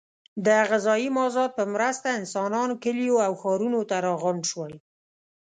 د غذایي مازاد په مرسته انسانان کلیو او ښارونو ته راغونډ شول.